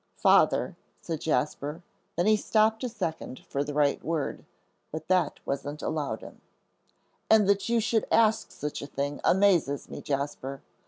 "Father," said Jasper; then he stopped a second for the right word. But that wasn't allowed him. "And that you should ask such a thing amazes me, Jasper.